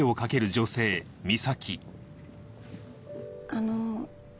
あの。